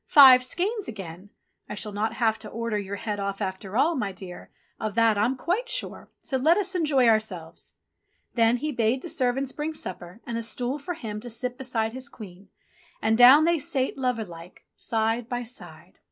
Five skeins again ! I shall not have to order your head off after all, my dear, of that I'm quite sure, so let us enjoy ourselves." Then he bade the servants bring supper, and a stool for him to sit beside his Queen, and down they sate lover like, side by side.